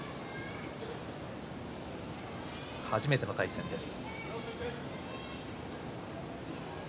初めての対戦です。